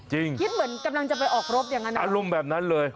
คิดเหมือนกำลังจะไปออกรบอย่างนั้นนะอารมณ์แบบนั้นเลย